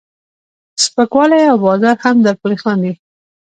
سپکوالی او بازار هم درپورې خاندي.